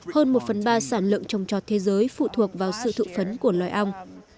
hơn một phần ba sản lượng trồng trọt thế giới phụ thuộc vào sự thụ phấn của loài ong